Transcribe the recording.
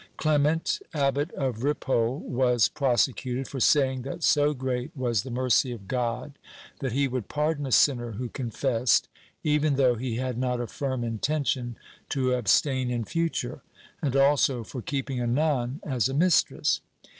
Clement, Abbot of Ripoll, was prosecuted for saying that so great was the mercy of God that he would pardon a sinner who confessed, even though he had not a firm intention to abstain in future, and also for keeping a nun as a mistress.